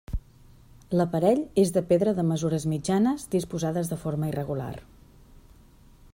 L'aparell és de pedra de mesures mitjanes disposades de forma irregular.